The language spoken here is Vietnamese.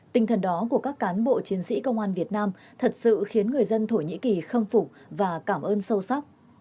tinh thần đó của các cán bộ chiến sĩ công an việt nam thật sự khiến người dân thổ nhĩ kỳ khâm phục và cảm ơn sâu sắc